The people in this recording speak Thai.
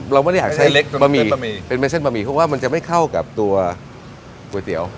เราไม่ได้อยากใช้เล็กบะหมี่บะหมี่เป็นเส้นบะหมี่เพราะว่ามันจะไม่เข้ากับตัวก๋วยเตี๋ยว